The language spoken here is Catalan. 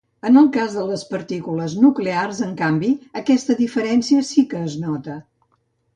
En el cas de les partícules nuclears, en canvi, aquesta diferència sí que es nota.